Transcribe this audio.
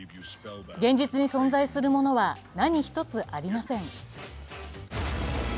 現実に存在するものは何一つありません。